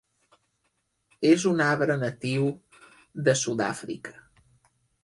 És un arbre natiu de Sud-àfrica.